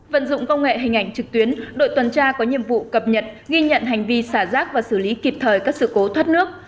vận dụng công nghệ hình ảnh trực tuyến đội tuần tra có nhiệm vụ cập nhật ghi nhận hành vi xả rác và xử lý kịp thời các sự cố thoát nước